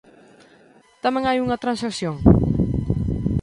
¿Tamén hai unha transacción?